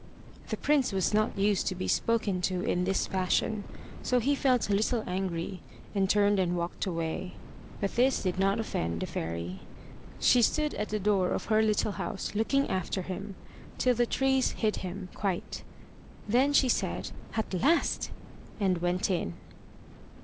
The prince was not used to be spoken to in this fashion, so he felt a little angry, and turned and walked away. But this did not offend the fairy. She stood at the door of her little house looking after him till the trees hid him quite. Then she said "At last!" and went in.